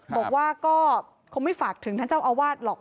บอกว่าก็คงไม่ฝากถึงท่านเจ้าอาวาสหรอก